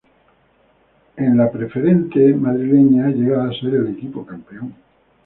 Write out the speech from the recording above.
En la preferente madrileña ha llegado a ser el equipo campeón.